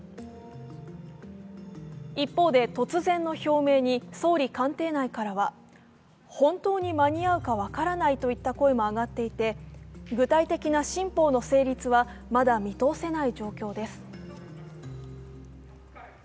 一方で、突然の表明に総理官邸内からは本当に間に合うか分からないといった声も上がっていて具体的な新法の成立はまだ見通せない状況です。